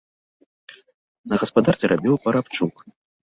На гаспадарцы рабіў парабчук.